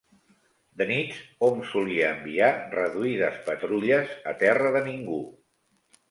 De nits hom solia enviar reduïdes patrulles a terra de ningú